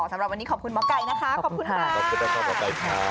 สำหรับวันนี้ขอบคุณหมอกัยนะคะขอบคุณมาก